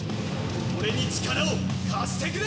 俺に力を貸してくれ！